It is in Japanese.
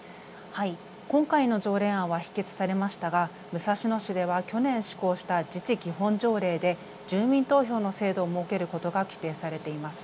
今回の条例案は否決されましたが武蔵野市では去年施行した自治基本条例で住民投票の制度を設けることが規定されています。